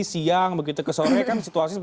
siang begitu ke sore kan situasi